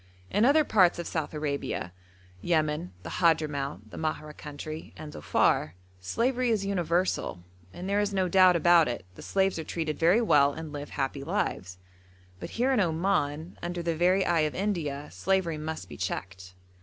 In other parts of South Arabia Yemen, the Hadhramout, the Mahra country, and Dhofar slavery is universal; and there is no doubt about it the slaves are treated very well and live happy lives; but here in Oman, under the very eye of India, slavery must be checked.